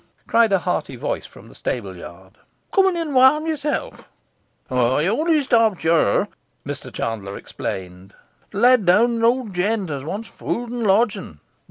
cried a hearty voice from the stableyard. 'Come in and warm yourself.' 'I only stopped here,' Mr Chandler explained, 'to let down an old gent that wants food and lodging.